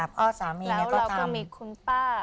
พ่อสามีแล้วเราก็มีคุณป้า